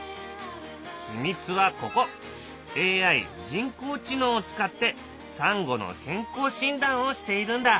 ＡＩ人工知能を使ってサンゴの健康診断をしているんだ。